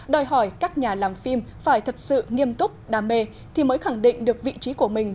đòi hỏi các nhà làm phim phải thật sự nghiêm túc đam mê thì mới khẳng định được vị trí của mình